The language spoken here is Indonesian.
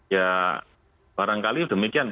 ya barangkali demikian pak